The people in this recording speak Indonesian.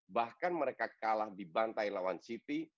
bahkan mereka kalah di bantai lawan city